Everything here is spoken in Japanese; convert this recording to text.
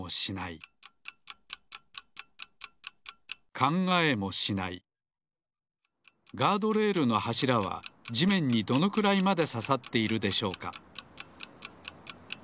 考えもしないガードレールのはしらはじめんにどのくらいまでささっているでしょうか？